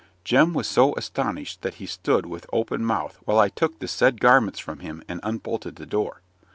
Jem was so astonished, that he stood with open mouth while I took the said garments from him, and unbolted the door.